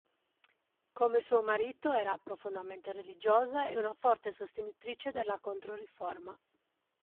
Come suo marito, era profondamente religiosa e una forte sostenitrice della Controriforma.